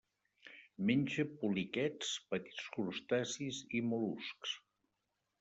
Menja poliquets, petits crustacis i mol·luscs.